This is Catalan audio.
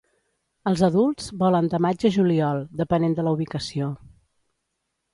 Els adults volen de maig a juliol, depenent de la ubicació.